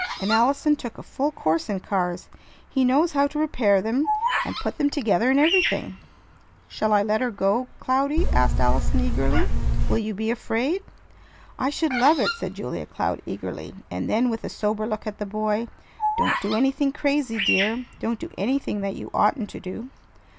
And Allison took a full course in cars. He knows how to repair them, and put them together, and everything." "Shall I let her go, Cloudy?" asked Allison eagerly. "Will you be afraid?" "I should love it," said Julia Cloud eagerly, and then with a sober look at the boy: "Don't do anything crazy, dear! Don't do anything that you oughtn't to do."